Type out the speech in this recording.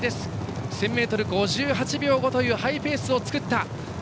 １０００ｍ、５８秒５というハイペースを作った。